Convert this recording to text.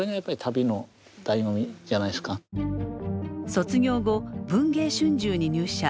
卒業後文藝春秋に入社。